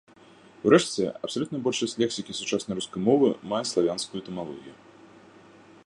Урэшце, абсалютная большасць лексікі сучаснай рускай мовы мае славянскую этымалогію.